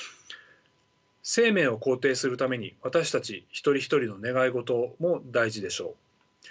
生命を肯定するために私たち一人一人の願い事も大事でしょう。